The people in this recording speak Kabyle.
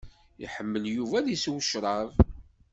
Iḥemmel Yuba ad isew ccrab.